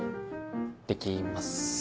できます。